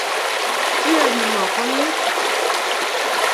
Iyoni ng'o kwo yun?